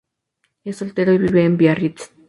Es soltero y vive en Biarritz.